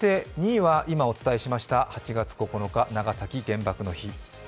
２位は今お伝えしました８月９日、長崎原爆の日。